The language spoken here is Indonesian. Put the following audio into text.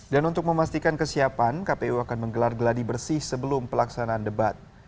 dan untuk memastikan kesiapan kpu akan menggelar geladi bersih sebelum pelaksanaan debat